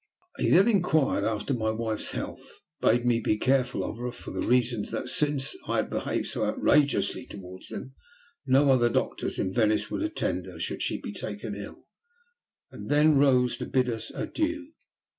He then inquired after my wife's health, bade me be careful of her for the reason that, since I had behaved so outrageously towards them, no other doctors in Venice would attend her, should she be taken ill, and then rose to bid us adieu.